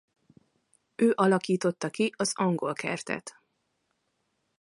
Ő alakította ki az angolkertet.